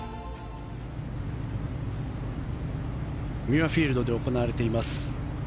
ミュアフィールドで行われています